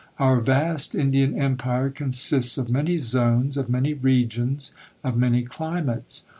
Our vast Indian Empire consists of many zones, of many regions, of many climates.